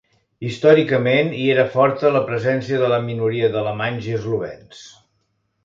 Històricament, hi era forta la presència de la minoria d'alemanys i eslovens.